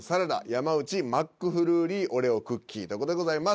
山内「マックフルーリーオレオクッキー」でございます。